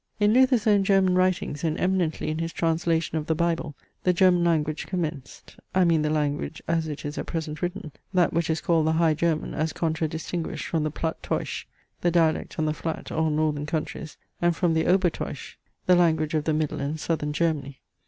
In Luther's own German writings, and eminently in his translation of the Bible, the German language commenced. I mean the language as it is at present written; that which is called the High German, as contra distinguished from the Platt Teutsch, the dialect on the flat or northern countries, and from the Ober Teutsch, the language of the middle and Southern Germany.